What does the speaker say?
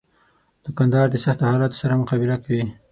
دوکاندار د سختو حالاتو سره مقابله کوي.